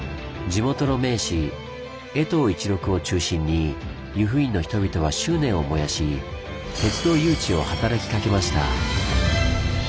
地元の名士衛藤一六を中心に由布院の人々は執念を燃やし鉄道誘致を働きかけました。